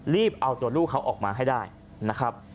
รีบเอาตัวลูกเขาออกมาให้ได้นะครับ